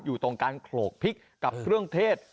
อยู่ตรงการโขลกพริกกับเครื่องเทศ